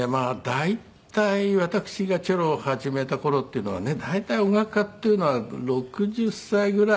大体私がチェロを始めた頃っていうのはね大体音楽家っていうのは６０歳ぐらいではい。